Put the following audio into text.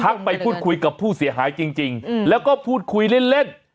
ทักไปบุกมะคุยกับผู้เสียหายจริงแล้วก็พูดคุยเล่น